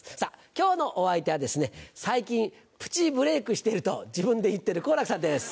今日のお相手は最近プチブレイクしていると自分で言ってる好楽さんです。